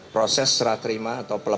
proses seraterima atau perintah